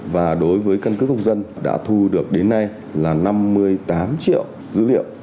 và đối với căn cước công dân đã thu được đến nay là năm mươi tám triệu dữ liệu